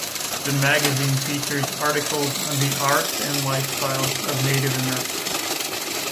The magazine features articles on the arts and lifestyles of Native Americans.